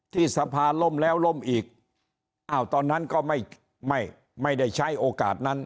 ที่สภาลมแล้วลมอีกตอนนั้นก็ไม่ได้ใช้โอกาสนั้น